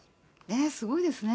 すごいですね。